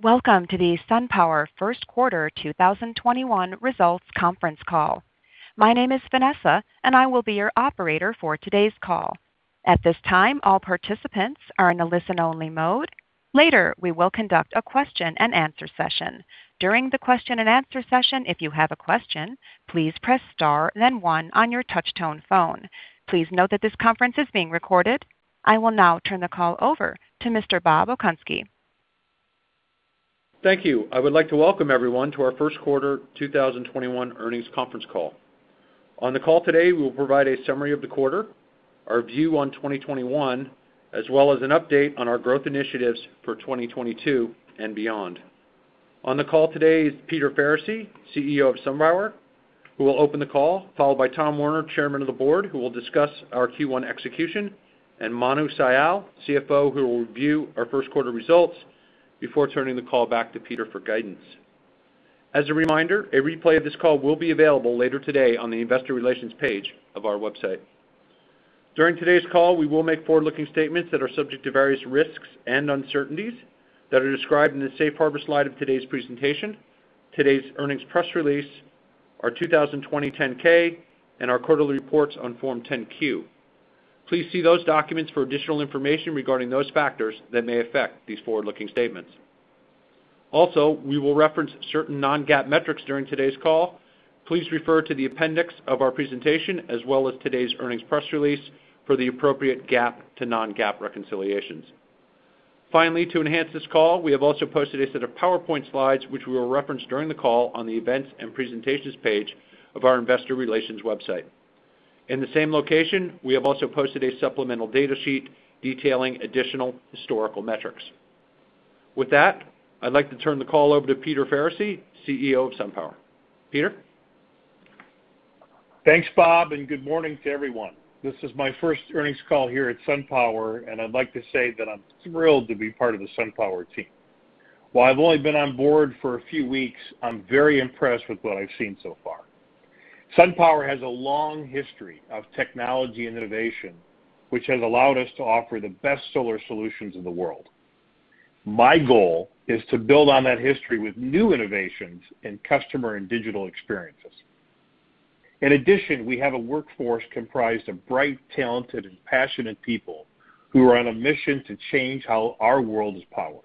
Welcome to the SunPower First Quarter 2021 Results Conference Call. My name is Vanessa, and I will be your operator for today's call. At this time all participants are in a listen-only mode. Later we will conduct a Q&A session. During the Q&A session, if you have a question, please press star then one on your touchtone phone. Please note that this conference is being recorded. I will now turn the call over to Mr. Bob Okunski. Thank you. I would like to welcome everyone to our first quarter 2021 earnings conference call. On the call today, we will provide a summary of the quarter, our view on 2021, as well as an update on our growth initiatives for 2022 and beyond. On the call today is Peter Faricy, CEO of SunPower, who will open the call, followed by Tom Werner, Chairman of the Board, who will discuss our Q1 execution, and Manu Sial, CFO, who will review our first quarter results before turning the call back to Peter for guidance. As a reminder, a replay of this call will be available later today on the investor relations page of our website. During today's call, we will make forward-looking statements that are subject to various risks and uncertainties that are described in the safe harbor slide of today's presentation, today's earnings press release, our 2020 10-K, and our quarterly reports on Form 10-Q. Please see those documents for additional information regarding those factors that may affect these forward-looking statements. Also, we will reference certain non-GAAP metrics during today's call. Please refer to the appendix of our presentation as well as today's earnings press release for the appropriate GAAP to non-GAAP reconciliations. Finally, to enhance this call, we have also posted a set of PowerPoint slides, which we will reference during the call on the events and presentations page of our investor relations website. In the same location, we have also posted a supplemental data sheet detailing additional historical metrics. With that, I'd like to turn the call over to Peter Faricy, CEO of SunPower. Peter? Thanks, Bob. Good morning to everyone. This is my first earnings call here at SunPower, and I'd like to say that I'm thrilled to be part of the SunPower team. While I've only been on board for a few weeks, I'm very impressed with what I've seen so far. SunPower has a long history of technology and innovation, which has allowed us to offer the best solar solutions in the world. My goal is to build on that history with new innovations in customer and digital experiences. In addition, we have a workforce comprised of bright, talented, and passionate people who are on a mission to change how our world is powered.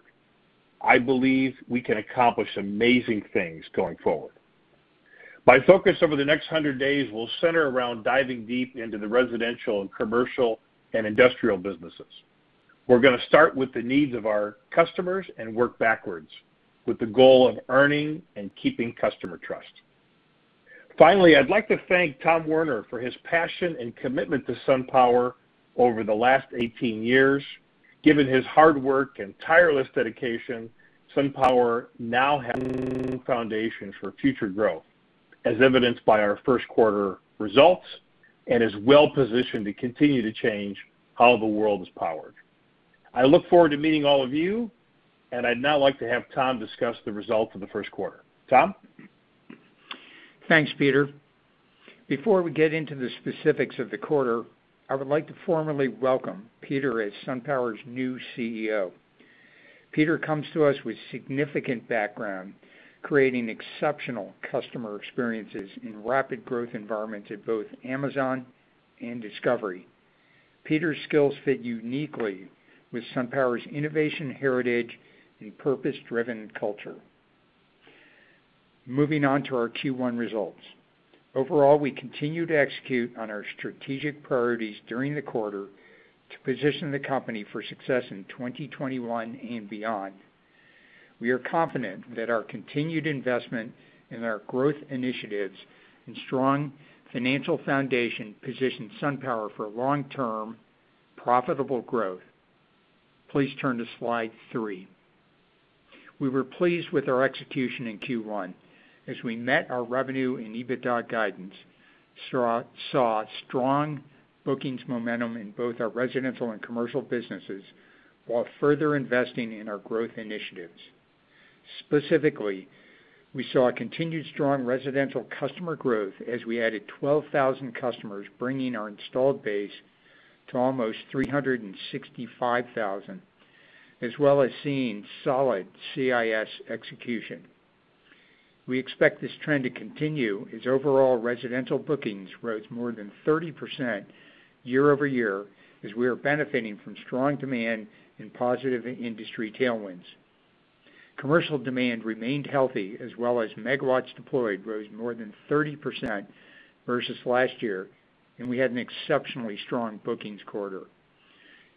I believe we can accomplish amazing things going forward. My focus over the next 100 days will center around diving deep into the residential and commercial and industrial businesses. We're going to start with the needs of our customers and work backwards with the goal of earning and keeping customer trust. Finally, I'd like to thank Tom Werner for his passion and commitment to SunPower over the last 18 years. Given his hard work and tireless dedication, SunPower now has a foundation for future growth, as evidenced by our first quarter results, and is well-positioned to continue to change how the world is powered. I look forward to meeting all of you, and I'd now like to have Tom discuss the results of the first quarter. Tom? Thanks, Peter. Before we get into the specifics of the quarter, I would like to formally welcome Peter as SunPower's new CEO. Peter comes to us with significant background creating exceptional customer experiences in rapid growth environments at both Amazon and Discovery. Peter's skills fit uniquely with SunPower's innovation heritage and purpose-driven culture. Moving on to our Q1 results. Overall, we continue to execute on our strategic priorities during the quarter to position the company for success in 2021 and beyond. We are confident that our continued investment in our growth initiatives and strong financial foundation positions SunPower for long-term profitable growth. Please turn to slide three. We were pleased with our execution in Q1 as we met our revenue and EBITDA guidance, saw strong bookings momentum in both our residential and commercial businesses while further investing in our growth initiatives. Specifically, we saw continued strong residential customer growth as we added 12,000 customers, bringing our installed base to almost 365,000, as well as seeing solid CIS execution. We expect this trend to continue as overall residential bookings rose more than 30% year-over-year as we are benefiting from strong demand and positive industry tailwinds. Commercial demand remained healthy as well as megawatts deployed rose more than 30% versus last year, and we had an exceptionally strong bookings quarter.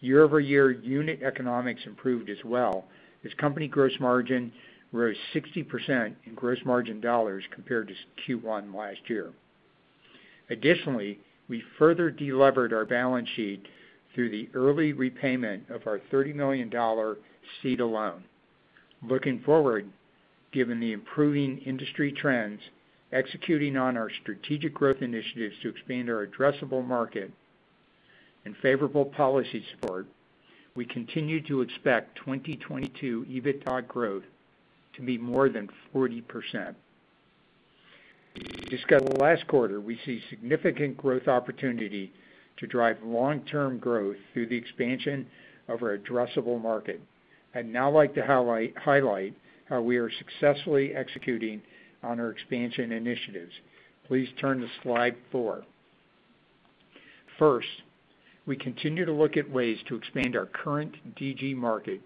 Year-over-year unit economics improved as well as company gross margin rose 60% in gross margin dollars compared to Q1 last year. Additionally, we further delevered our balance sheet through the early repayment of our $30 million CEDA loan. Looking forward, given the improving industry trends, executing on our strategic growth initiatives to expand our addressable market, and favorable policy support, we continue to expect 2022 EBITDA growth to be more than 40%. As discussed last quarter, we see significant growth opportunity to drive long-term growth through the expansion of our addressable market. I'd now like to highlight how we are successfully executing on our expansion initiatives. Please turn to slide four. First, we continue to look at ways to expand our current DG market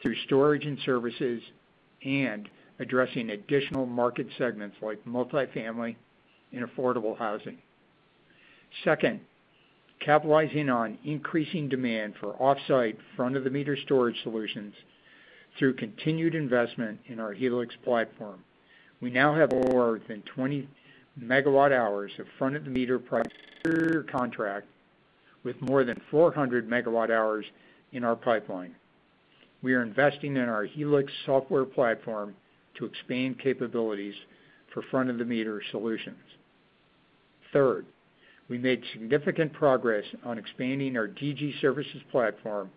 through storage and services and addressing additional market segments like multi-family and affordable housing. Second, capitalizing on increasing demand for off-site, front-of-the-meter storage solutions through continued investment in our Helix platform. We now have more than 20 MWh of front-of-the-meter projects under contract, with more than 400 MWh in our pipeline. We are investing in our Helix software platform to expand capabilities for front-of-the-meter solutions. Third, we made significant progress on expanding our DG services platform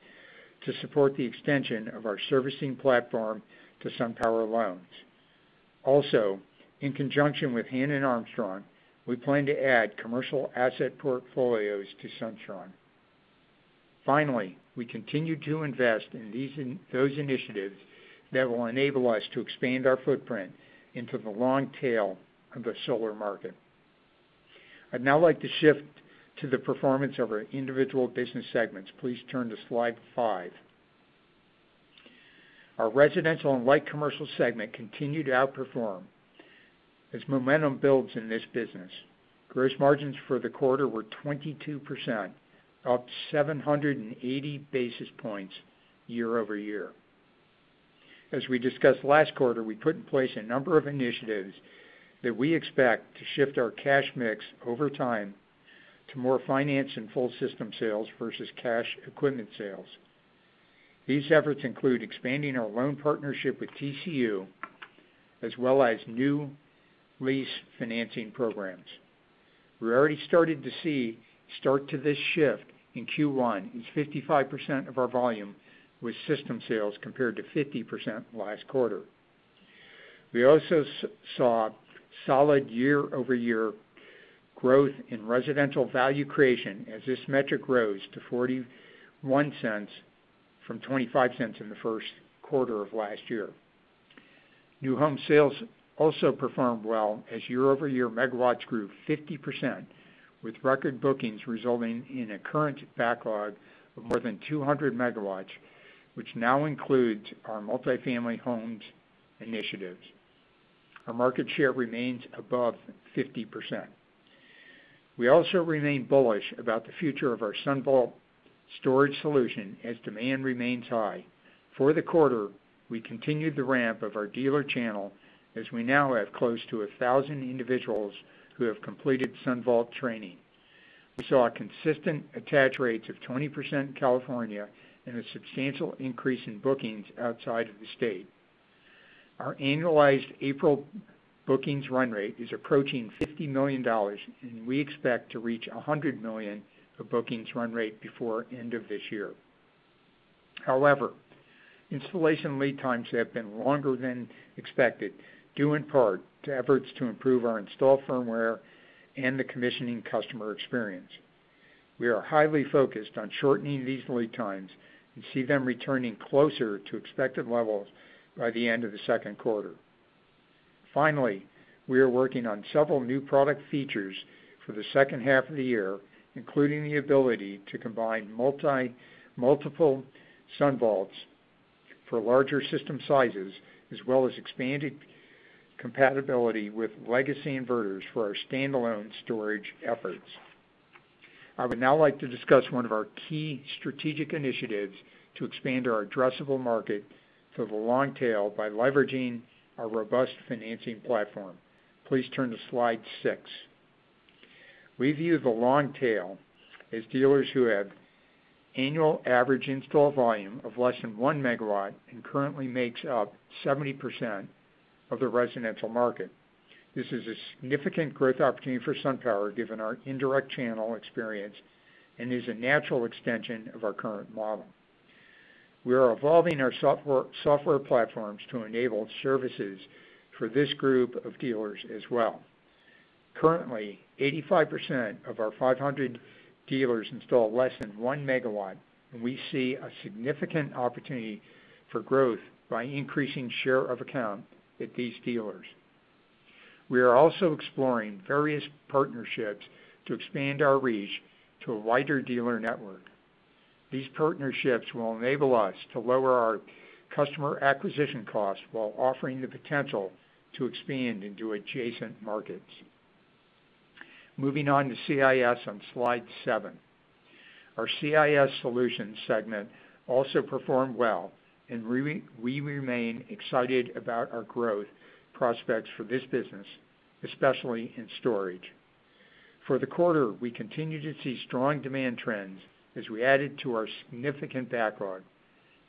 to support the extension of our servicing platform to SunPower loans. In conjunction with Hannon Armstrong, we plan to add commercial asset portfolios to SunStrong. We continue to invest in those initiatives that will enable us to expand our footprint into the long tail of the solar market. I'd now like to shift to the performance of our individual business segments. Please turn to slide five. Our Residential and Light Commercial segment continued to outperform as momentum builds in this business. Gross margins for the quarter were 22%, up 780 basis points year-over-year. As we discussed last quarter, we put in place a number of initiatives that we expect to shift our cash mix over time to more finance and full system sales versus cash equipment sales. These efforts include expanding our loan partnership with Tech CU, as well as new lease financing programs. We're already starting to see this shift in Q1, as 55% of our volume was system sales compared to 50% last quarter. We also saw solid year-over-year growth in residential value creation as this metric grows to $0.41 from $0.25 in the first quarter of last year. New home sales also performed well as year-over-year megawatts grew 50%, with record bookings resulting in a current backlog of more than 200 MW, which now includes our multi-family homes initiatives. Our market share remains above 50%. We also remain bullish about the future of our SunVault storage solution as demand remains high. For the quarter, we continued the ramp of our dealer channel as we now have close to 1,000 individuals who have completed SunVault training. We saw consistent attach rates of 20% in California and a substantial increase in bookings outside of the state. Our annualized April bookings run rate is approaching $50 million, and we expect to reach $100 million of bookings run rate before end of this year. However, installation lead times have been longer than expected, due in part to efforts to improve our install firmware and the commissioning customer experience. We are highly focused on shortening these lead times and see them returning closer to expected levels by the end of the second quarter. Finally, we are working on several new product features for the second half of the year, including the ability to combine multiple SunVaults for larger system sizes, as well as expanded compatibility with legacy inverters for our standalone storage efforts. I would now like to discuss one of our key strategic initiatives to expand our addressable market to the long tail by leveraging our robust financing platform. Please turn to slide six. We view the long tail as dealers who have annual average install volume of less than 1 MW and currently makes up 70% of the residential market. This is a significant growth opportunity for SunPower, given our indirect channel experience and is a natural extension of our current model. We are evolving our software platforms to enable services for this group of dealers as well. Currently, 85% of our 500 dealers install less than 1 MW. We see a significant opportunity for growth by increasing share of account with these dealers. We are also exploring various partnerships to expand our reach to a wider dealer network. These partnerships will enable us to lower our customer acquisition costs while offering the potential to expand into adjacent markets. Moving on to CIS on slide seven. Our C&I Solutions segment also performed well, and we remain excited about our growth prospects for this business, especially in storage. For the quarter, we continued to see strong demand trends as we added to our significant backlog,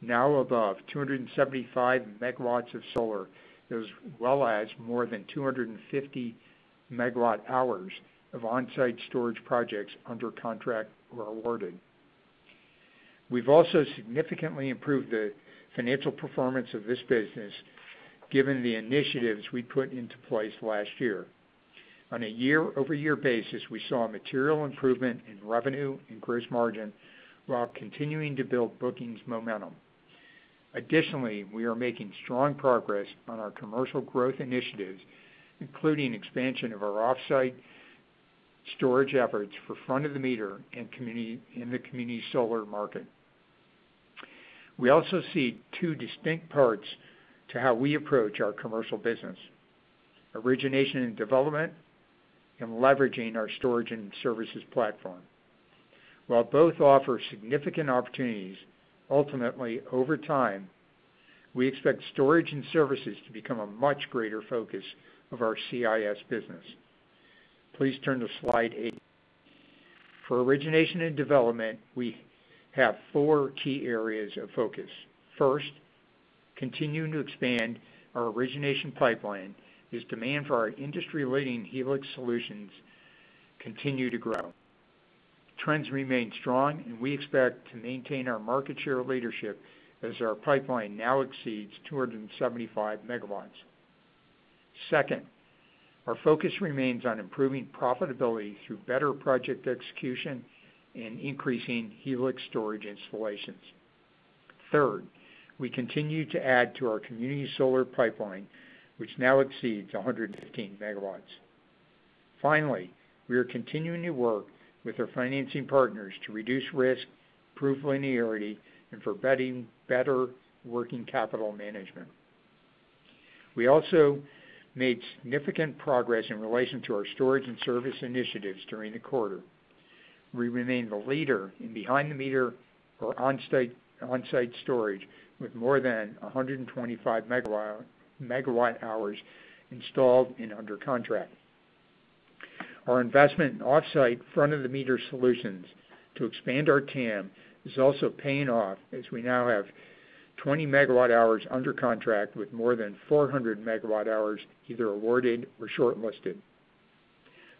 now above 275 MW of solar, as well as more than 250 MWh of on-site storage projects under contract or awarded. We've also significantly improved the financial performance of this business, given the initiatives we put into place last year. On a year-over-year basis, we saw a material improvement in revenue and gross margin while continuing to build bookings momentum. Additionally, we are making strong progress on our commercial growth initiatives, including expansion of our off-site storage efforts for front-of-the-meter and the community solar market. We also see two distinct parts to how we approach our commercial business. Origination and development, and leveraging our storage and services platform. While both offer significant opportunities, ultimately, over time, we expect storage and services to become a much greater focus of our CIS business. Please turn to slide eight. For origination and development, we have four key areas of focus. First, continuing to expand our origination pipeline as demand for our industry-leading Helix solutions continue to grow. Trends remain strong, and we expect to maintain our market share leadership as our pipeline now exceeds 275 MW. Second, our focus remains on improving profitability through better project execution and increasing Helix storage installations. Third, we continue to add to our community solar pipeline, which now exceeds 115 MW. Finally, we are continuing to work with our financing partners to reduce risk, prove linearity, and for better working capital management. We also made significant progress in relation to our storage and service initiatives during the quarter. We remain the leader in behind-the-meter or on-site storage with more than 125 MWh installed and under contract. Our investment in off-site, front-of-the-meter solutions to expand our TAM is also paying off, as we now have 20 MWh under contract with more than 400 MWh either awarded or shortlisted.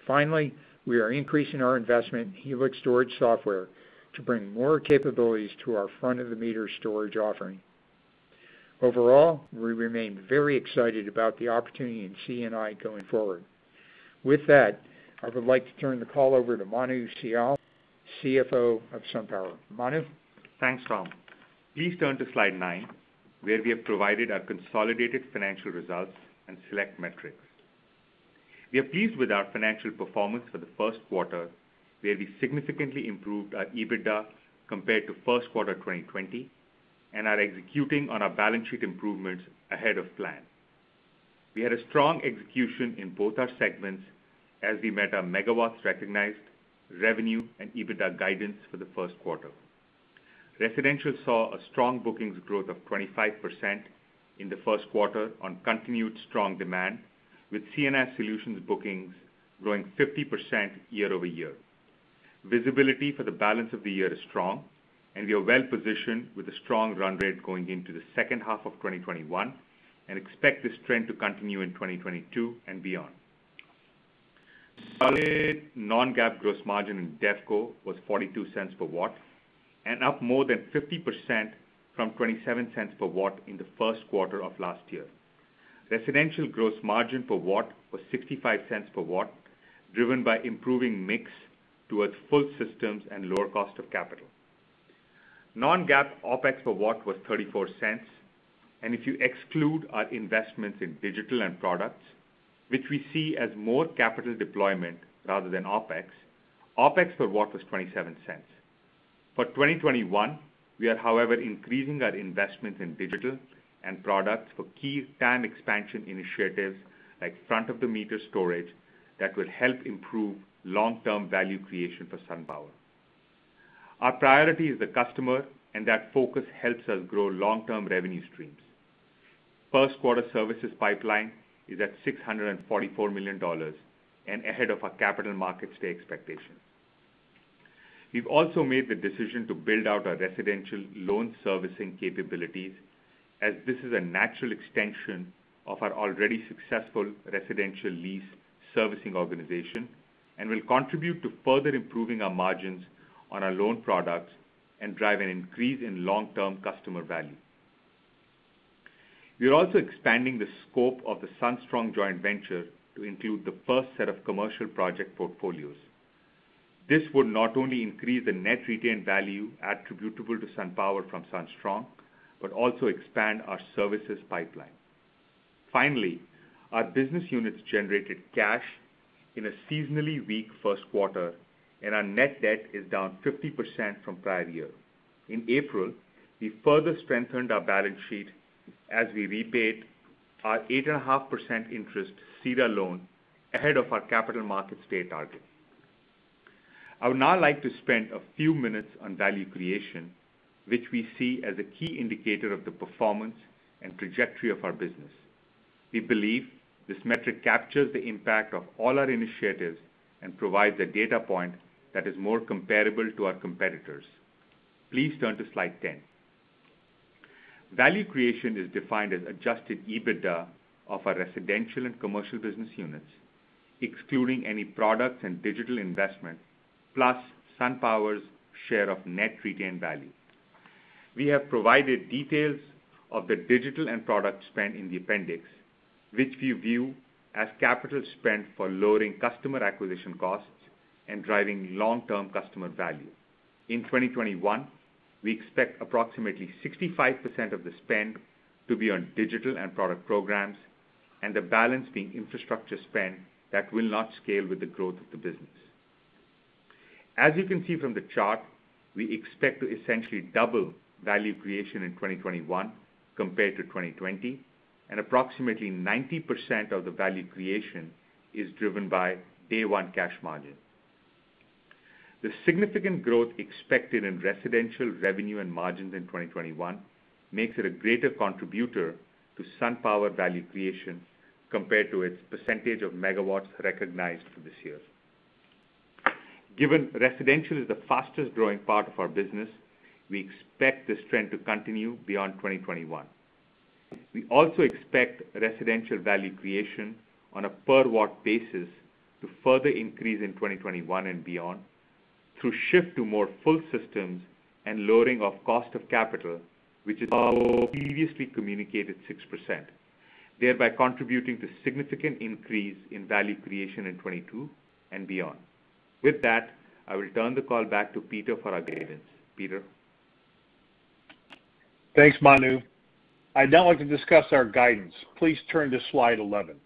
Finally, we are increasing our investment in Helix storage software to bring more capabilities to our front-of-the-meter storage offering. Overall, we remain very excited about the opportunity in C&I going forward. With that, I would like to turn the call over to Manu Sial, CFO of SunPower. Manu? Thanks, Tom. Please turn to slide nine, where we have provided our consolidated financial results and select metrics. We are pleased with our financial performance for the first quarter, where we significantly improved our EBITDA compared to first quarter 2020, and are executing on our balance sheet improvements ahead of plan. We had a strong execution in both our segments as we met our megawatts recognized, revenue, and EBITDA guidance for the first quarter. Residential saw a strong bookings growth of 25% in the first quarter on continued strong demand, with C&I Solutions bookings growing 50% year-over-year. Visibility for the balance of the year is strong, and we are well-positioned with a strong run rate going into the second half of 2021, and expect this trend to continue in 2022 and beyond. Solid non-GAAP gross margin in Dev Co was $0.42 per watt and up more than 50% from $0.27 per watt in the first quarter of last year. Residential gross margin per watt was $0.65 per watt, driven by improving mix towards full systems and lower cost of capital. Non-GAAP OpEx per watt was $0.34, and if you exclude our investments in digital and products, which we see as more capital deployment rather than OpEx per watt was $0.27. For 2021, we are, however, increasing our investment in digital and products for key TAM expansion initiatives like front-of-the-meter storage that will help improve long-term value creation for SunPower. Our priority is the customer, and that focus helps us grow long-term revenue streams. First quarter services pipeline is at $644 million and ahead of our Capital Markets Day expectations. We've also made the decision to build out our residential loan servicing capabilities, as this is a natural extension of our already successful residential lease servicing organization and will contribute to further improving our margins on our loan products and drive an increase in long-term customer value. We are also expanding the scope of the SunStrong joint venture to include the first set of commercial project portfolios. This would not only increase the net retain value attributable to SunPower from SunStrong, but also expand our services pipeline. Finally, our business units generated cash in a seasonally weak first quarter, and our net debt is down 50% from prior year. In April, we further strengthened our balance sheet as we repaid our eight and a half % interest CEDA loan ahead of our capital markets day target. I would now like to spend a few minutes on value creation, which we see as a key indicator of the performance and trajectory of our business. We believe this metric captures the impact of all our initiatives and provides a data point that is more comparable to our competitors. Please turn to slide 10. Value creation is defined as adjusted EBITDA of our residential and commercial business units, excluding any product and digital investment, plus SunPower's share of net retained value. We have provided details of the digital and product spend in the appendix, which we view as capital spend for lowering customer acquisition costs and driving long-term customer value. In 2021, we expect approximately 65% of the spend to be on digital and product programs, and the balance being infrastructure spend that will not scale with the growth of the business. As you can see from the chart, we expect to essentially double value creation in 2021 compared to 2020, and approximately 90% of the value creation is driven by day one cash margin. The significant growth expected in residential revenue and margins in 2021 makes it a greater contributor to SunPower value creation compared to its percentage of megawatts recognized for this year. Given residential is the fastest growing part of our business, we expect this trend to continue beyond 2021. We also expect residential value creation on a per-watt basis to further increase in 2021 and beyond through shift to more full systems and lowering of cost of capital, which is our previously communicated 6%, thereby contributing to significant increase in value creation in 2022 and beyond. With that, I will turn the call back to Peter for our guidance. Peter? Thanks, Manu. I'd now like to discuss our guidance. Please turn to slide 11.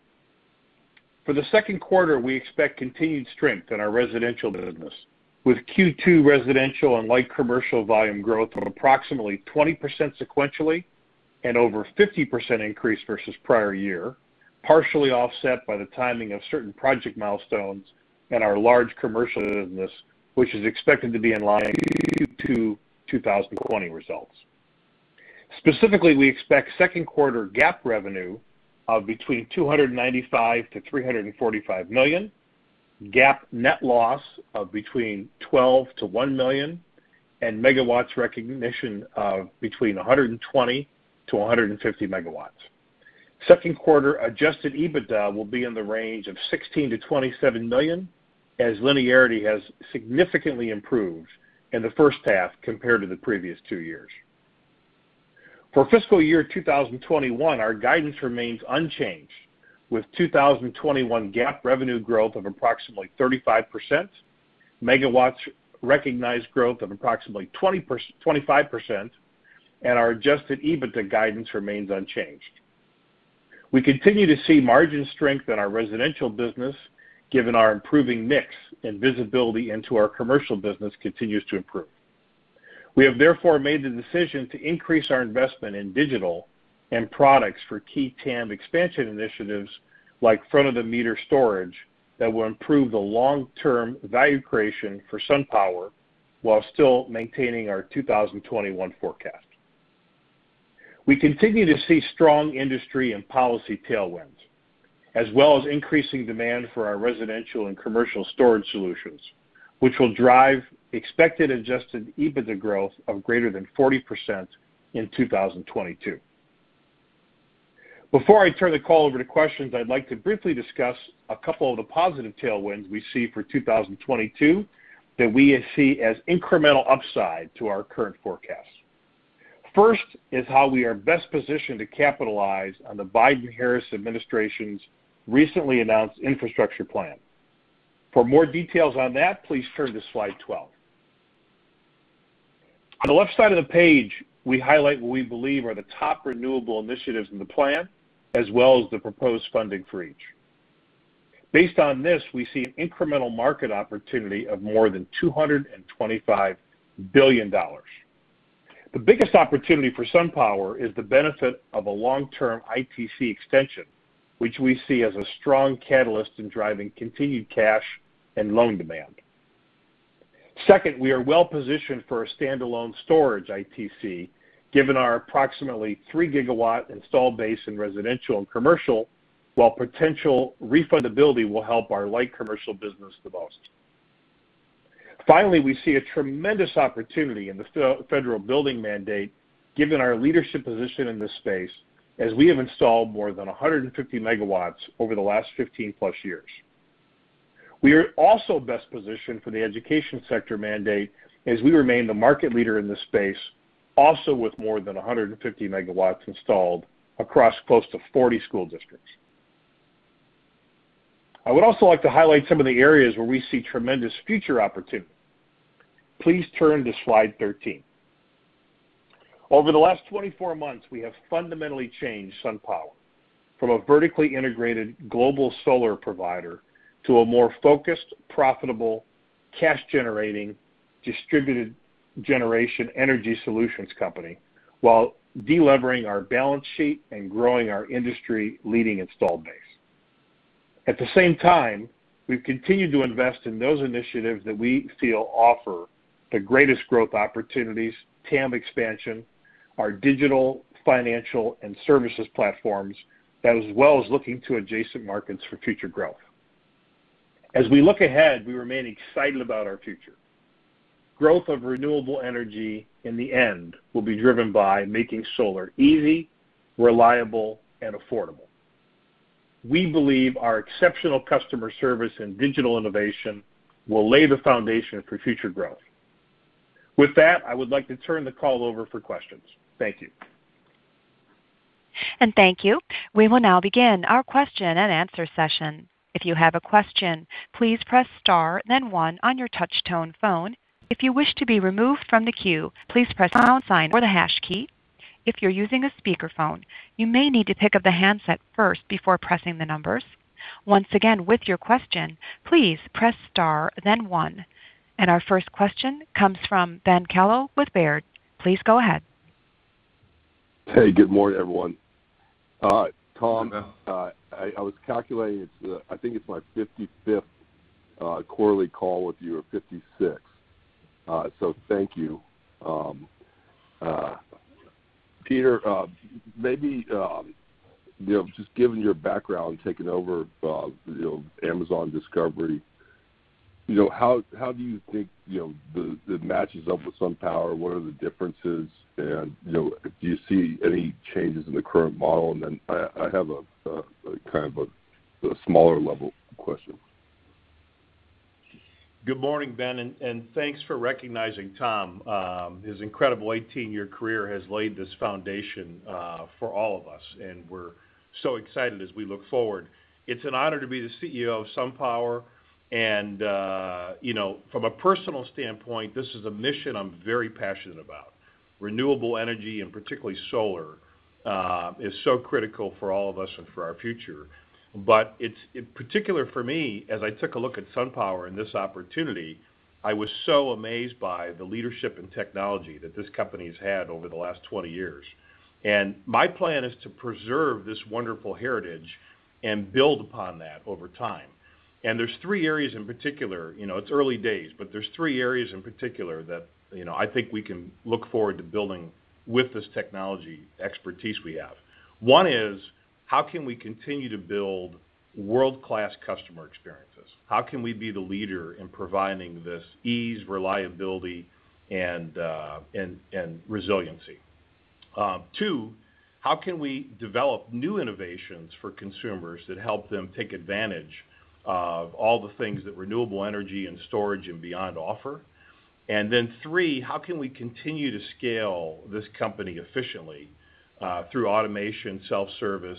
For the second quarter, we expect continued strength in our residential business, with Q2 residential and light commercial volume growth of approximately 20% sequentially and over 50% increase versus prior year, partially offset by the timing of certain project milestones in our large commercial business, which is expected to be in line with 2020 results. Specifically, we expect second quarter GAAP revenue of between $295 million-$345 million, GAAP net loss of between $12 million-$1 million, and megawatts recognition of between 120 MW-150 MW. Second quarter adjusted EBITDA will be in the range of $16 million-$27 million, as linearity has significantly improved in the first half compared to the previous two years. For fiscal year 2021, our guidance remains unchanged, with 2021 GAAP revenue growth of approximately 35%, megawatts recognized growth of approximately 25%, and our adjusted EBITDA guidance remains unchanged. We continue to see margin strength in our residential business, given our improving mix, and visibility into our commercial business continues to improve. We have therefore made the decision to increase our investment in digital and products for key TAM expansion initiatives like front-of-the-meter storage that will improve the long-term value creation for SunPower while still maintaining our 2021 forecast. We continue to see strong industry and policy tailwinds, as well as increasing demand for our residential and commercial storage solutions, which will drive expected adjusted EBITDA growth of greater than 40% in 2022. Before I turn the call over to questions, I'd like to briefly discuss a couple of the positive tailwinds we see for 2022 that we see as incremental upside to our current forecast. First is how we are best positioned to capitalize on the Biden-Harris administration's recently announced infrastructure plan. For more details on that, please turn to slide 12. On the left side of the page, we highlight what we believe are the top renewable initiatives in the plan, as well as the proposed funding for each. Based on this, we see an incremental market opportunity of more than $225 billion. The biggest opportunity for SunPower is the benefit of a long-term ITC extension, which we see as a strong catalyst in driving continued cash and loan demand. Second, we are well positioned for a standalone storage ITC, given our approximately 3 GW installed base in residential and commercial, while potential refundability will help our light commercial business the most. Finally, we see a tremendous opportunity in the federal building mandate given our leadership position in this space, as we have installed more than 150 MW over the last 15 plus years. We are also best positioned for the education sector mandate as we remain the market leader in this space, also with more than 150 MW installed across close to 40 school districts. I would also like to highlight some of the areas where we see tremendous future opportunity. Please turn to slide 13. Over the last 24 months, we have fundamentally changed SunPower from a vertically integrated global solar provider to a more focused, profitable, cash-generating, distributed generation energy solutions company, while de-levering our balance sheet and growing our industry-leading installed base. At the same time, we've continued to invest in those initiatives that we feel offer the greatest growth opportunities, TAM expansion, our digital, financial, and services platforms that as well as looking to adjacent markets for future growth. As we look ahead, we remain excited about our future. Growth of renewable energy, in the end, will be driven by making solar easy, reliable, and affordable. We believe our exceptional customer service and digital innovation will lay the foundation for future growth. With that, I would like to turn the call over for questions. Thank you. Thank you. We will now begin our Q&A session. If you have a question please press star then one on your touchtone phone. If you wish to be remove from the queue, please press pound sign or the hash key. If you're using a speakerphone, you may need to pick up the handset first before pressing the numbers. Once again with your question, please press star then one. Our first question comes from Ben Kallo with Baird. Please go ahead. Hey, good morning, everyone. Tom, I was calculating, I think it's my 55th quarterly call with you, or 56th. Thank you. Peter, maybe, just given your background taking over Amazon Discovery, how do you think it matches up with SunPower? What are the differences? Do you see any changes in the current model? I have a smaller level question. Good morning, Ben, thanks for recognizing Tom. His incredible 18-year career has laid this foundation for all of us, we're so excited as we look forward. It's an honor to be the CEO of SunPower, from a personal standpoint, this is a mission I'm very passionate about. Renewable energy, particularly solar, is so critical for all of us and for our future. In particular for me, as I took a look at SunPower and this opportunity, I was so amazed by the leadership and technology that this company's had over the last 20 years. My plan is to preserve this wonderful heritage and build upon that over time. There's three areas in particular, it's early days, there's three areas in particular that I think we can look forward to building with this technology expertise we have. One is, how can we continue to build world-class customer experiences? How can we be the leader in providing this ease, reliability, and resiliency? Two, how can we develop new innovations for consumers that help them take advantage of all the things that renewable energy and storage and beyond offer? Three, how can we continue to scale this company efficiently through automation, self-service,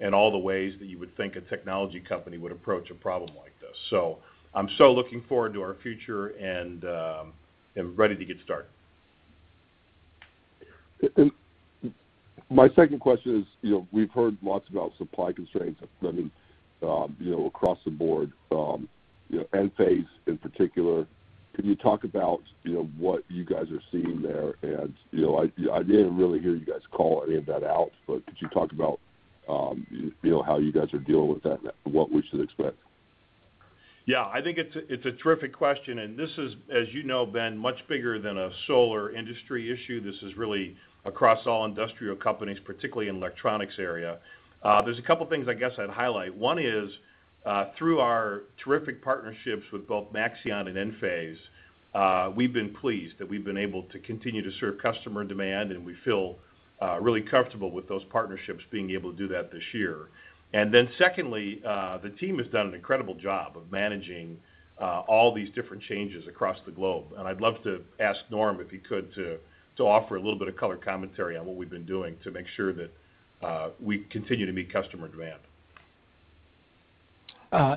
and all the ways that you would think a technology company would approach a problem like this? I'm so looking forward to our future and am ready to get started. My second question is, we've heard lots about supply constraints, I mean across the board, Enphase in particular. Can you talk about what you guys are seeing there? I didn't really hear you guys call any of that out, could you talk about how you guys are dealing with that and what we should expect? I think it's a terrific question. This is, as you know Ben, much bigger than a solar industry issue. This is really across all industrial companies, particularly in electronics area. There's a couple things I guess I'd highlight. One is, through our terrific partnerships with both Maxeon and Enphase, we've been pleased that we've been able to continue to serve customer demand, and we feel really comfortable with those partnerships being able to do that this year. Secondly, the team has done an incredible job of managing all these different changes across the globe. I'd love to ask Norm, if he could, to offer a little bit of color commentary on what we've been doing to make sure that we continue to meet customer demand.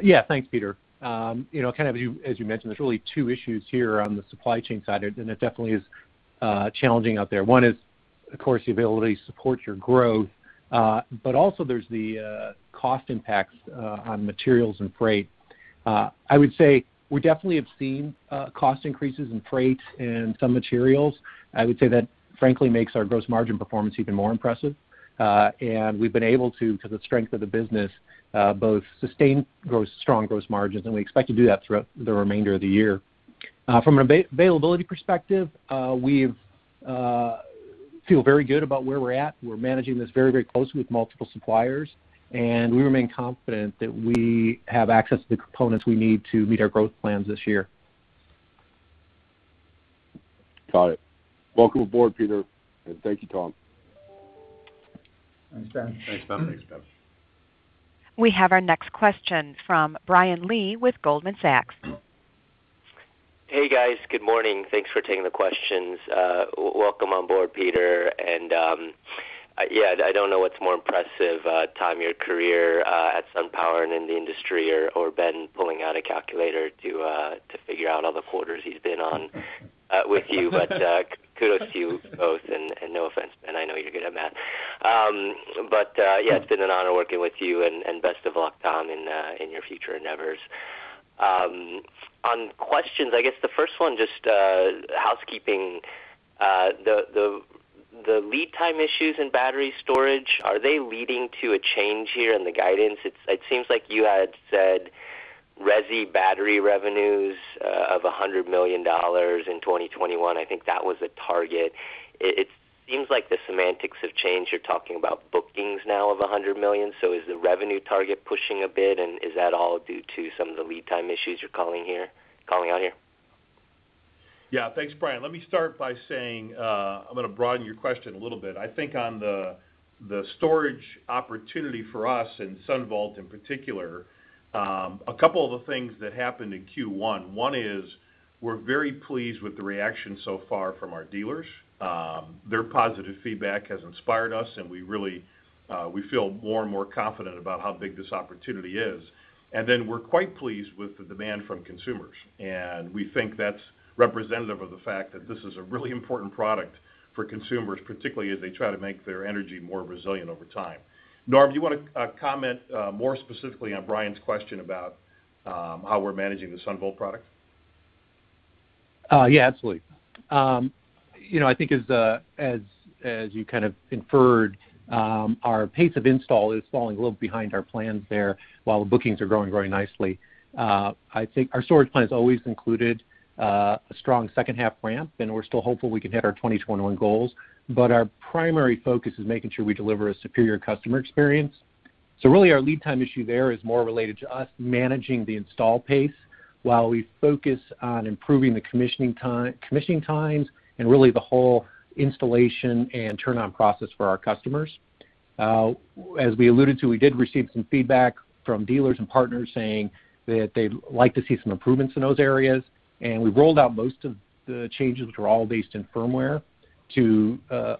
Yeah. Thanks, Peter. As you mentioned, there's really two issues here on the supply chain side. It definitely is challenging out there. One is, of course, the ability to support your growth. Also there's the cost impacts on materials and freight. I would say we definitely have seen cost increases in freight and some materials. I would say that frankly makes our gross margin performance even more impressive. We've been able to, because the strength of the business, both sustain strong gross margins, and we expect to do that throughout the remainder of the year. From an availability perspective, we feel very good about where we're at. We're managing this very closely with multiple suppliers, and we remain confident that we have access to the components we need to meet our growth plans this year. Got it. Welcome aboard, Peter, and thank you, Tom. Thanks, Ben. Thanks, Ben. We have our next question from Brian Lee with Goldman Sachs. Hey, guys. Good morning. Thanks for taking the questions. Welcome on board, Peter. I don't know what's more impressive, Tom, your career at SunPower and in the industry or Ben pulling out a calculator to figure out all the quarters he's been on with you. Kudos to you both, and no offense, I know you're good at math. Yeah, it's been an honor working with you and best of luck, Tom Werner, in your future endeavors. On questions, I guess the first one, just housekeeping. The lead time issues in battery storage, are they leading to a change here in the guidance? It seems like you had said resi battery revenues of $100 million in 2021. I think that was a target. It seems like the semantics have changed. You're talking about bookings now of $100 million. Is the revenue target pushing a bit, and is that all due to some of the lead time issues you're calling out here? Yeah. Thanks, Brian. Let me start by saying, I'm going to broaden your question a little bit. I think on the storage opportunity for us, and SunVault in particular, a couple of the things that happened in Q1. One is we're very pleased with the reaction so far from our dealers. Their positive feedback has inspired us, and we feel more and more confident about how big this opportunity is. We're quite pleased with the demand from consumers, and we think that's representative of the fact that this is a really important product for consumers, particularly as they try to make their energy more resilient over time. Norm, do you want to comment more specifically on Brian's question about how we're managing the SunVault product? Yeah, absolutely. I think as you kind of inferred, our pace of install is falling a little behind our plans there while the bookings are growing very nicely. I think our storage plans always included a strong second half ramp, and we're still hopeful we can hit our 2021 goals. Our primary focus is making sure we deliver a superior customer experience. Really our lead time issue there is more related to us managing the install pace while we focus on improving the commissioning times and really the whole installation and turn-on process for our customers. As we alluded to, we did receive some feedback from dealers and partners saying that they'd like to see some improvements in those areas. We've rolled out most of the changes, which are all based in firmware,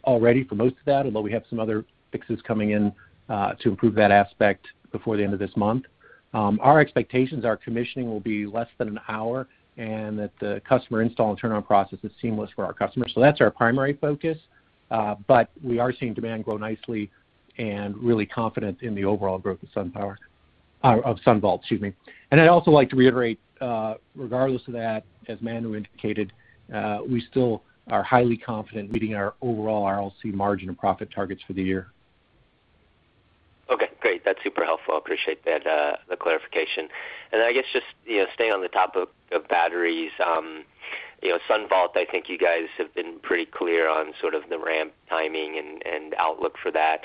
already for most of that, although we have some other fixes coming in to improve that aspect before the end of this month. Our expectations are commissioning will be less than an hour, that the customer install and turn-on process is seamless for our customers. That's our primary focus. We are seeing demand grow nicely and really confident in the overall growth of SunVault. I'd also like to reiterate, regardless of that, as Manu indicated, we still are highly confident meeting our overall RLC margin and profit targets for the year. Okay, great. That's super helpful. Appreciate the clarification. I guess just staying on the topic of batteries. SunVault, I think you guys have been pretty clear on sort of the ramp timing and outlook for that.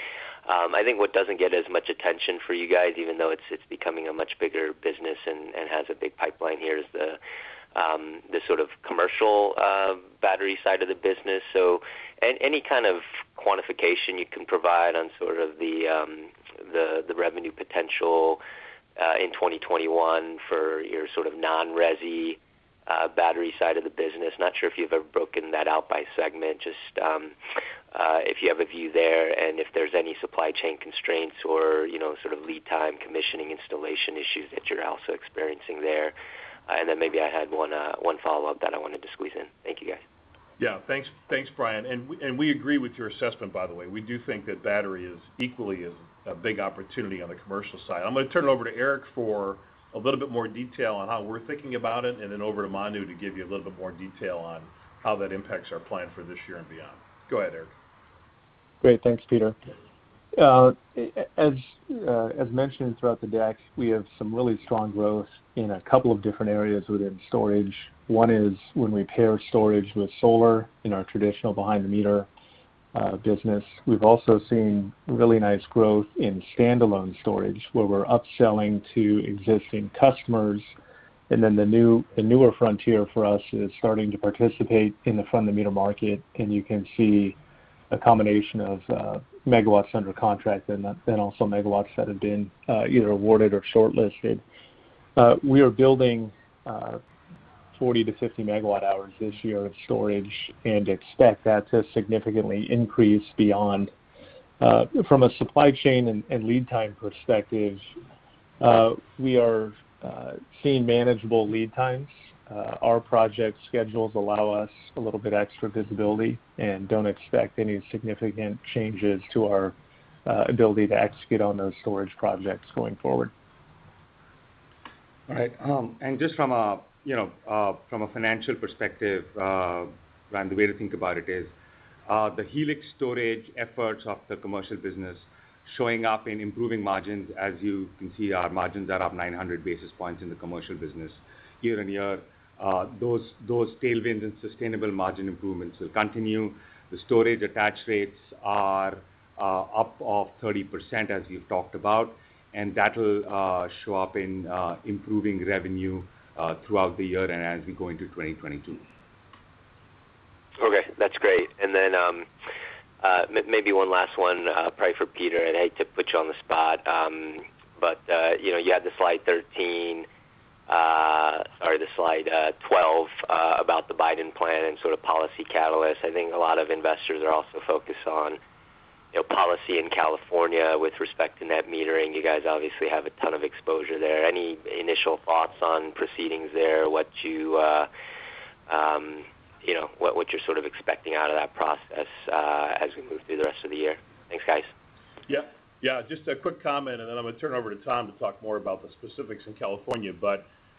I think what doesn't get as much attention for you guys, even though it's becoming a much bigger business and has a big pipeline here, is the sort of commercial battery side of the business. Any kind of quantification you can provide on sort of the revenue potential in 2021 for your sort of non-resi battery side of the business? Not sure if you've ever broken that out by segment, just if you have a view there, and if there's any supply chain constraints or sort of lead time commissioning installation issues that you're also experiencing there. Maybe I had one follow-up that I wanted to squeeze in. Thank you, guys. Yeah, thanks, Brian. We agree with your assessment, by the way. We do think that battery is equally a big opportunity on the commercial side. I'm going to turn it over to Eric for a little bit more detail on how we're thinking about it, and then over to Manu to give you a little bit more detail on how that impacts our plan for this year and beyond. Go ahead, Eric. Great. Thanks, Peter. As mentioned throughout the deck, we have some really strong growth in a couple of different areas within storage. One is when we pair storage with solar in our traditional behind-the-meter business. We've also seen really nice growth in standalone storage, where we're upselling to existing customers. The newer frontier for us is starting to participate in the front-of-the-meter market, and you can see a combination of megawatts under contract and also megawatts that have been either awarded or shortlisted. We are building 40 MWh-50 MWh this year of storage and expect that to significantly increase beyond. From a supply chain and lead time perspective, we are seeing manageable lead times. Our project schedules allow us a little bit extra visibility and don't expect any significant changes to our ability to execute on those storage projects going forward. All right. Just from a financial perspective, Brian, the way to think about it is the Helix storage efforts of the commercial business showing up in improving margins. As you can see, our margins are up 900 basis points in the commercial business year-on-year. Those tailwinds and sustainable margin improvements will continue. The storage attach rates are up of 30%, as you've talked about, and that will show up in improving revenue throughout the year and as we go into 2022. Okay, that's great. Then maybe one last one, probably for Peter. I hate to put you on the spot. You had the slide 13, or the slide 12, about the Biden plan and sort of policy catalyst. I think a lot of investors are also focused on policy in California with respect to net metering. You guys obviously have a ton of exposure there. Any initial thoughts on proceedings there? What you're sort of expecting out of that process as we move through the rest of the year. Thanks, guys. Yeah. Just a quick comment, and then I'm going to turn it over to Tom to talk more about the specifics in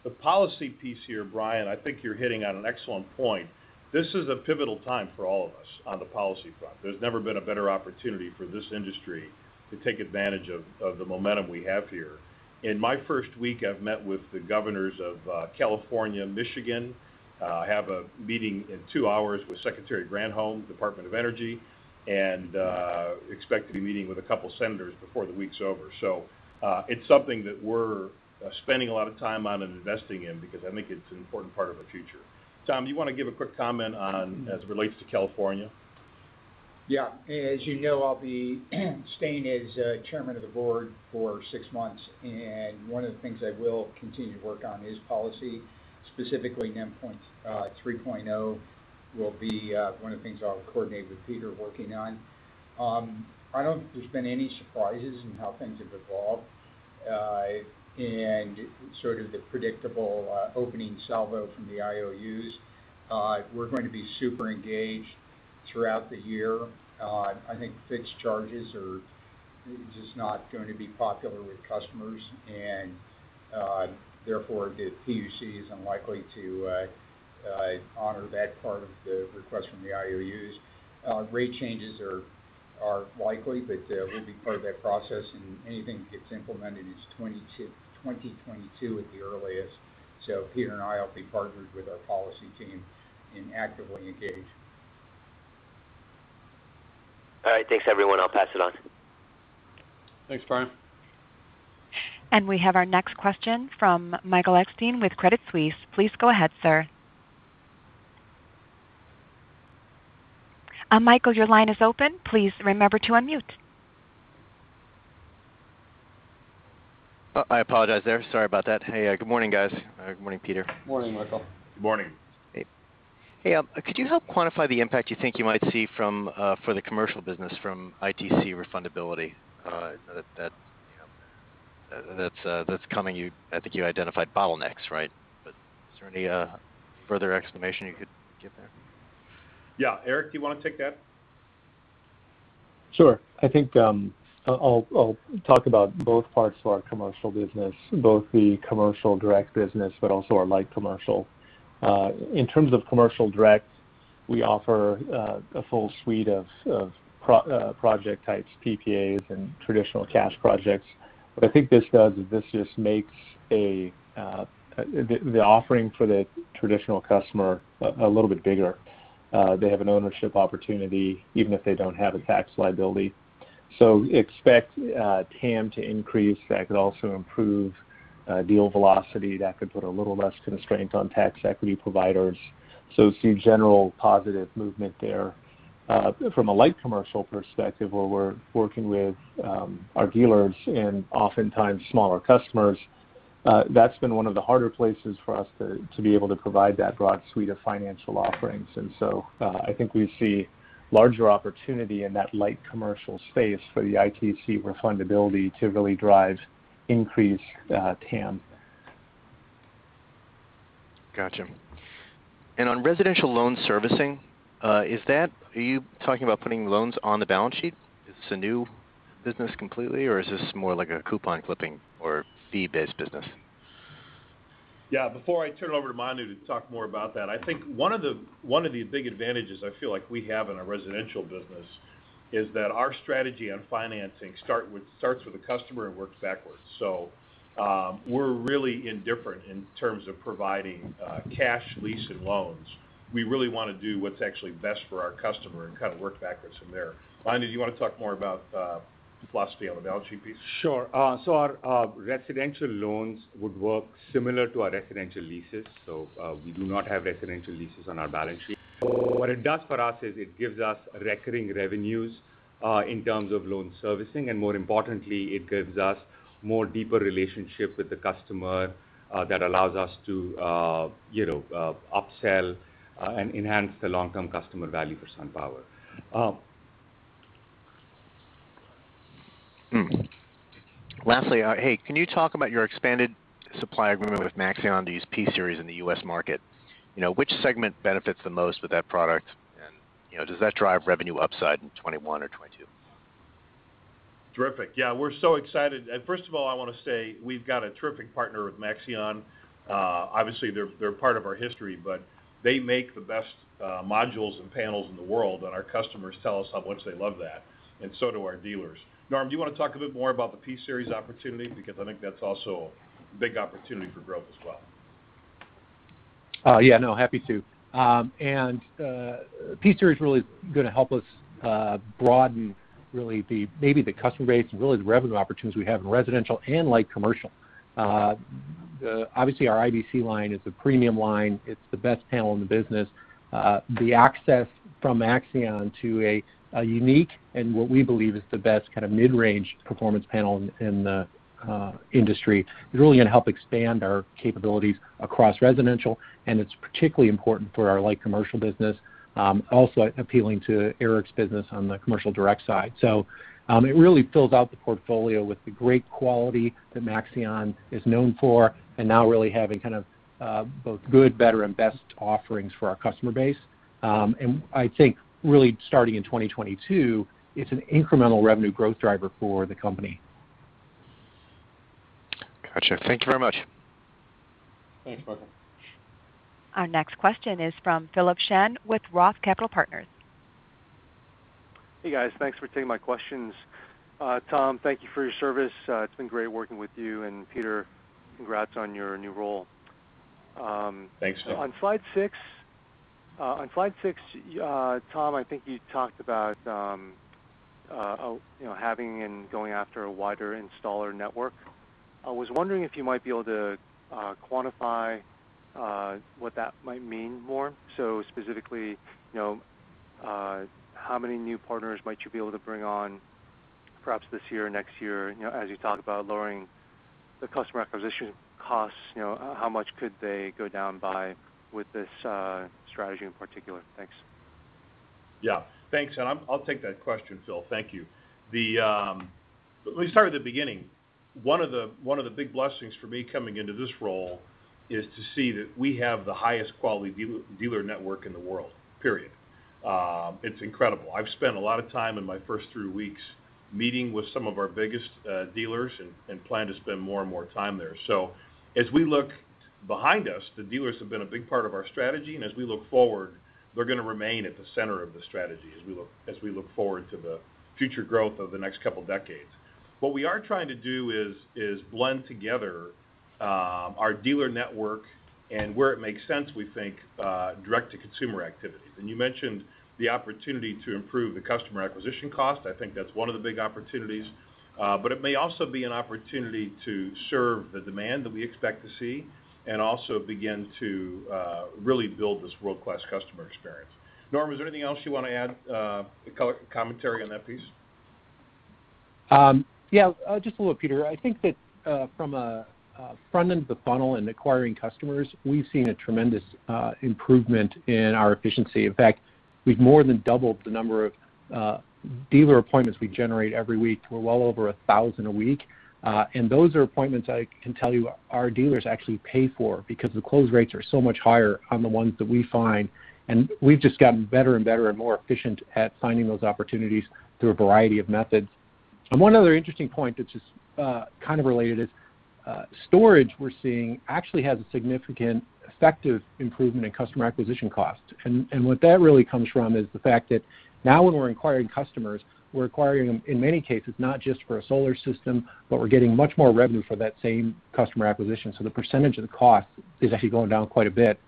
California. The policy piece here, Brian, I think you're hitting on an excellent point. This is a pivotal time for all of us on the policy front. There's never been a better opportunity for this industry to take advantage of the momentum we have here. In my first week, I've met with the governors of California, Michigan, have a meeting in two hours with Secretary Granholm, Department of Energy, expect to be meeting with a couple senators before the week's over. It's something that we're spending a lot of time on and investing in because I think it's an important part of our future. Tom, do you want to give a quick comment on as it relates to California? Yeah. As you know, I'll be staying as chairman of the board for six months, and one of the things I will continue to work on is policy. Specifically NEM 3.0 will be one of the things I'll coordinate with Peter working on. I don't think there's been any surprises in how things have evolved. Sort of the predictable opening salvo from the IOUs. We're going to be super engaged throughout the year. I think fixed charges are just not going to be popular with customers, and therefore the PUC is unlikely to honor that part of the request from the IOUs. Rate changes are likely, but we'll be part of that process, and anything that gets implemented is 2022 at the earliest. Peter and I will be partnered with our policy team and actively engaged. All right. Thanks, everyone. I'll pass it on. Thanks, Brian. We have our next question from Michael Weinstein with Credit Suisse. Please go ahead, sir. Michael, your line is open. Please remember to unmute. I apologize there. Sorry about that. Hey, good morning, guys. Good morning, Peter. Morning, Michael. Morning. Hey. Could you help quantify the impact you think you might see for the commercial business from ITC refundability? That's coming. I think you identified bottlenecks, right? Is there any further explanation you could give there? Yeah. Eric, do you want to take that? Sure. I think I'll talk about both parts to our commercial business, both the commercial direct business, but also our light commercial. In terms of commercial direct, we offer a full suite of project types, PPAs, and traditional cash projects. What I think this does is this just makes the offering for the traditional customer a little bit bigger. They have an ownership opportunity even if they don't have a tax liability. Expect TAM to increase. That could also improve deal velocity. That could put a little less constraint on tax equity providers. See general positive movement there. From a light commercial perspective, where we're working with our dealers and oftentimes smaller customers, that's been one of the harder places for us to be able to provide that broad suite of financial offerings. I think we see larger opportunity in that light commercial space for the ITC refundability to really drive increased TAM. Got you. On residential loan servicing, are you talking about putting loans on the balance sheet? Is this a new business completely, or is this more like a coupon clipping or fee-based business? Before I turn it over to Manu to talk more about that, I think one of the big advantages I feel like we have in our residential business is that our strategy on financing starts with the customer and works backwards. We're really indifferent in terms of providing cash lease and loans. We really want to do what's actually best for our customer and kind of work backwards from there. Manu, do you want to talk more about the philosophy on the balance sheet piece? Sure. Our residential loans would work similar to our residential leases. We do not have residential leases on our balance sheet. What it does for us is it gives us recurring revenues, in terms of loan servicing, and more importantly, it gives us more deeper relationships with the customer that allows us to upsell and enhance the long-term customer value for SunPower. Lastly, can you talk about your expanded supply agreement with Maxeon to use P-Series in the U.S. market? Which segment benefits the most with that product, and does that drive revenue upside in 2021 or 2022? Terrific. Yeah, we're so excited. First of all, I want to say we've got a terrific partner with Maxeon. Obviously, they're part of our history, but they make the best modules and panels in the world, and our customers tell us how much they love that, and so do our dealers. Norm, do you want to talk a bit more about the P-Series opportunity? I think that's also a big opportunity for growth as well. Happy to. P-Series is going to help us broaden the customer base and really the revenue opportunities we have in residential and light commercial. Obviously, our IBC is the premium line. It's the best panel in the business. The access from Maxeon to a unique and what we believe is the best kind of mid-range performance panel in the industry is really going to help expand our capabilities across residential, and it's particularly important for our light commercial business. Also appealing to Eric's business on the commercial direct side. It really fills out the portfolio with the great quality that Maxeon is known for, and now really having kind of both good, better, and best offerings for our customer base. I think really starting in 2022, it's an incremental revenue growth driver for the company. Got you. Thank you very much. Thanks, Michael. Our next question is from Philip Shen with Roth Capital Partners. Hey, guys. Thanks for taking my questions. Tom, thank you for your service. It's been great working with you, and Peter, congrats on your new role. Thanks, Phil. On slide six, Tom, I think you talked about... having and going after a wider installer network. I was wondering if you might be able to quantify what that might mean more. Specifically, how many new partners might you be able to bring on, perhaps this year or next year, as you talk about lowering the customer acquisition costs? How much could they go down by with this strategy in particular? Thanks. Yeah. Thanks. I'll take that question, Phil. Thank you. Let me start at the beginning. One of the big blessings for me coming into this role is to see that we have the highest quality dealer network in the world, period. It's incredible. I've spent a lot of time in my first three weeks meeting with some of our biggest dealers and plan to spend more and more time there. As we look behind us, the dealers have been a big part of our strategy, and as we look forward, they're going to remain at the center of the strategy as we look forward to the future growth over the next couple of decades. What we are trying to do is blend together our dealer network, and where it makes sense, we think, direct-to-consumer activities. You mentioned the opportunity to improve the customer acquisition cost. I think that's one of the big opportunities. It may also be an opportunity to serve the demand that we expect to see and also begin to really build this world-class customer experience. Norm, is there anything else you want to add, commentary on that piece? Yeah, just a little, Peter. I think that from a front end of the funnel in acquiring customers, we've seen a tremendous improvement in our efficiency. In fact, we've more than doubled the number of dealer appointments we generate every week to well over 1,000 a week. Those are appointments I can tell you our dealers actually pay for it because the close rates are so much higher on the ones that we find, and we've just gotten better and better and more efficient at finding those opportunities through a variety of methods. One other interesting point that's just kind of related is storage, we're seeing, actually has a significant effective improvement in customer acquisition cost. What that really comes from is the fact that now when we're acquiring customers, we're acquiring them, in many cases, not just for a solar system, but we're getting much more revenue for that same customer acquisition. The percentage of the cost is actually going down quite a bit.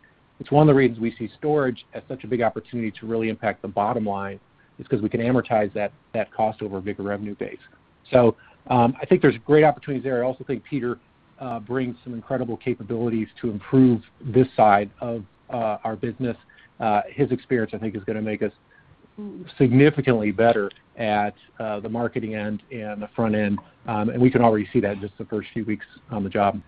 It's one of the reasons we see storage as such a big opportunity to really impact the bottom line, is because we can amortize that cost over a bigger revenue base. I think there's great opportunities there. I also think Peter brings some incredible capabilities to improve this side of our business. His experience, I think, is going to make us significantly better at the marketing end and the front end, and we can already see that in just the first few weeks on the job.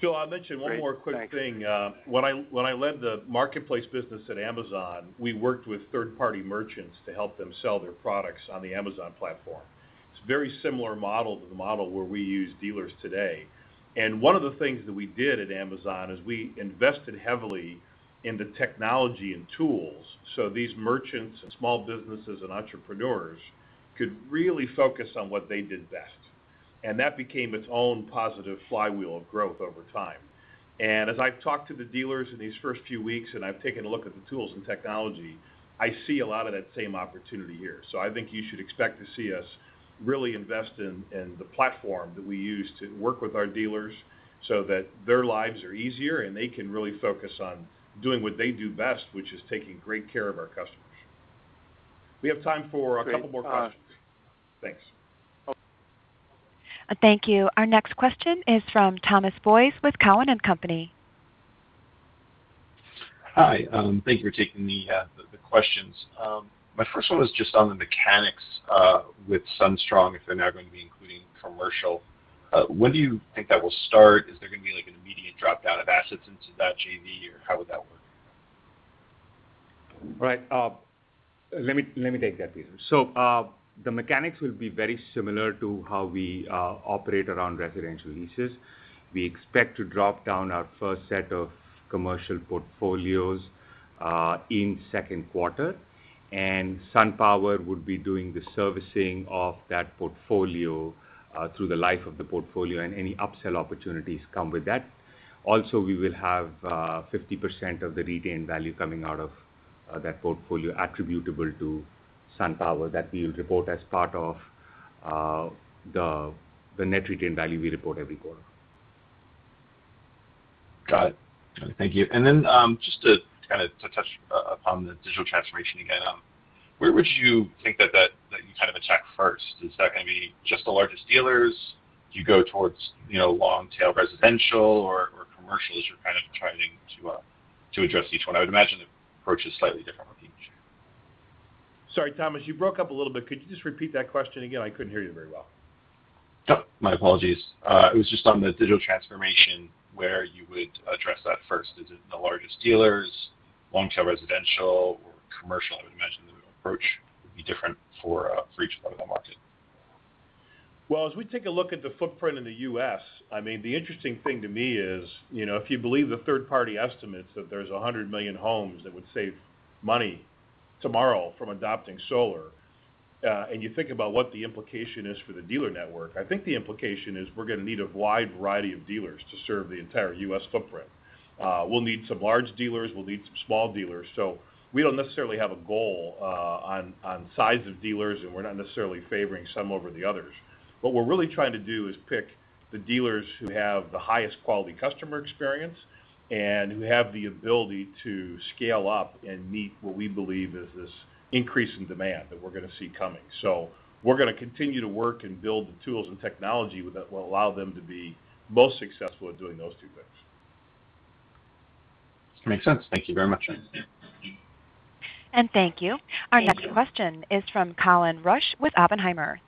Phil, I'll mention one more quick thing. Great. Thanks. When I led the marketplace business at Amazon, we worked with third-party merchants to help them sell their products on the Amazon platform. It's a very similar model to the model where we use dealers today. One of the things that we did at Amazon is we invested heavily in the technology and tools so these merchants and small businesses and entrepreneurs could really focus on what they did best. That became its own positive flywheel of growth over time. As I've talked to the dealers in these first few weeks, and I've taken a look at the tools and technology, I see a lot of that same opportunity here. I think you should expect to see us really invest in the platform that we use to work with our dealers so that their lives are easier, and they can really focus on doing what they do best, which is taking great care of our customers. We have time for a couple more questions. Thanks. Okay. Thank you. Our next question is from Thomas Boyes with Cowen and Company. Hi. Thank you for taking the questions. My first one was just on the mechanics with SunStrong, if they're now going to be including commercial. When do you think that will start? Is there going to be an immediate drop-down of assets into that JV, or how would that work? Right. Let me take that, Peter. The mechanics will be very similar to how we operate around residential leases. We expect to drop down our first set of commercial portfolios in second quarter. SunPower would be doing the servicing of that portfolio through the life of the portfolio, and any upsell opportunities come with that. Also, we will have 50% of the retained value coming out of that portfolio attributable to SunPower that we'll report as part of the net retained value we report every quarter. Got it. Thank you. Just to kind of touch upon the digital transformation again, where would you think that you kind of attack first? Is that going to be just the largest dealers? Do you go towards long-tail residential or commercial as you're kind of trying to address each one? I would imagine the approach is slightly different with each. Sorry, Thomas, you broke up a little bit. Could you just repeat that question again? I couldn't hear you very well. Yep. My apologies. It was just on the digital transformation, where you would address that first. Is it the largest dealers, long-tail residential, or commercial? I would imagine the approach would be different for each part of the market. Well, as we take a look at the footprint in the U.S., the interesting thing to me is, if you believe the third-party estimates that there's 100 million homes that would save money tomorrow from adopting solar, and you think about what the implication is for the dealer network, I think the implication is we're going to need a wide variety of dealers to serve the entire U.S. footprint. We'll need some large dealers, we'll need some small dealers. We don't necessarily have a goal on size of dealers, and we're not necessarily favoring some over the others. What we're really trying to do is pick the dealers who have the highest quality customer experience and who have the ability to scale up and meet what we believe is this increase in demand that we're going to see coming. We're going to continue to work and build the tools and technology that will allow them to be most successful at doing those two things. Makes sense. Thank you very much. Thank you. Our next question is from Colin Rusch with Oppenheimer.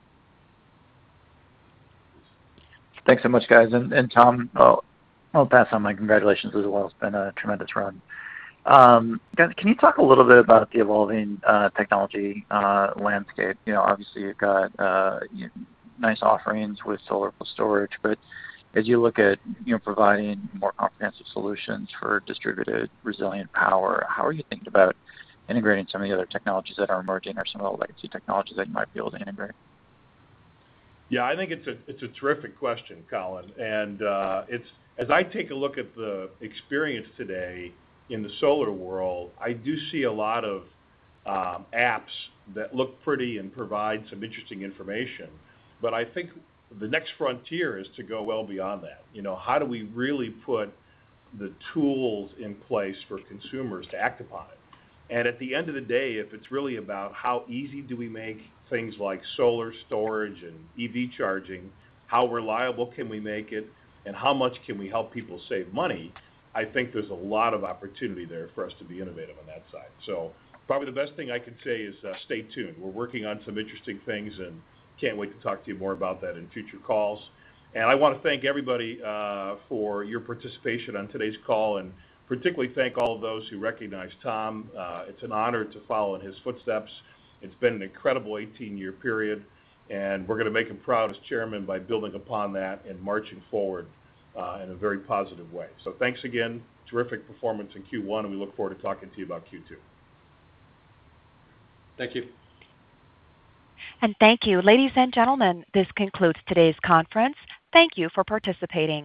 Thanks so much, guys. Tom, I'll pass on my congratulations as well. It's been a tremendous run. Can you talk a little bit about the evolving technology landscape? Obviously, you've got nice offerings with solar-plus-storage, but as you look at providing more comprehensive solutions for distributed resilient power, how are you thinking about integrating some of the other technologies that are emerging or some of the legacy technologies that you might be able to integrate? Yeah, I think it's a terrific question, Colin. As I take a look at the experience today in the solar world, I do see a lot of apps that look pretty and provide some interesting information. I think the next frontier is to go well beyond that. How do we really put the tools in place for consumers to act upon it? At the end of the day, if it's really about how easy do we make things like solar storage and EV charging, how reliable can we make it, and how much can we help people save money, I think there's a lot of opportunity there for us to be innovative on that side. Probably the best thing I could say is stay tuned. We're working on some interesting things and can't wait to talk to you more about that in future calls. I want to thank everybody for your participation on today's call, and particularly thank all of those who recognized Tom. It's an honor to follow in his footsteps. It's been an incredible 18-year period, and we're going to make him proud as chairman by building upon that and marching forward in a very positive way. Thanks again. Terrific performance in Q1, and we look forward to talking to you about Q2. Thank you. Thank you. Ladies and gentlemen, this concludes today's conference. Thank you for participating.